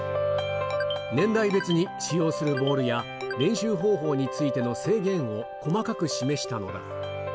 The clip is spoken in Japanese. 年代別に使用するボールや練習方法についての制限を細かく示したのだ。